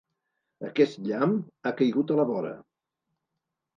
Aquest llamp ha caigut a la vora.